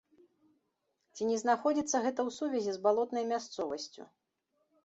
Ці не знаходзіцца гэта ў сувязі з балотнай мясцовасцю?